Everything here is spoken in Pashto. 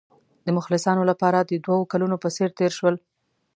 د مخلصانو لپاره د دوو کلونو په څېر تېر شول.